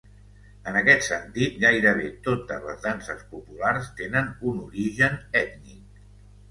En aquest sentit, gairebé totes les danses populars tenen un origen ètnic.